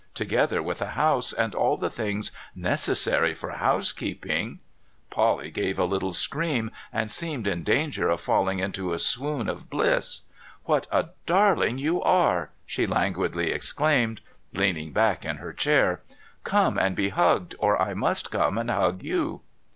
Together with a house, and all things necessary for house keeping ' Polly gave a little scream, and seemed in danger of falling into a swoon of bliss. ' What a darling you are !' she languidly exclaimed, leaning back in her chair. ' Come and be hugged, or I must come and hug you.'